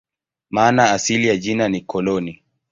Maana asili ya jina ni "koloni".